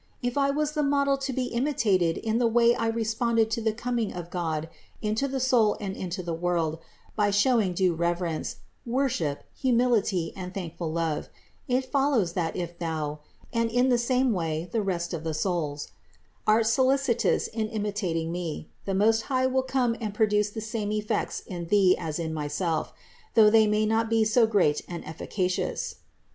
If I was the model to be imitated in the way I responded to the coming of God into the soul and into the world by show ing due reverence, worship, humility, and thankful love, it follows, that if thou, (and in the same way the rest of the souls), art solicitous in imitating me, the Most High will come and produce the same effects in thee as in myself; though they may be not so great and efficacious.